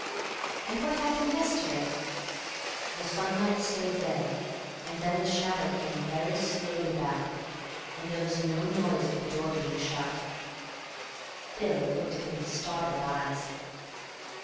"And what happened yesterday?" "The sunlight stayed there; and then the shadow came very slowly back, and there was no noise of the door being shut." Bill looked at him with startled eyes.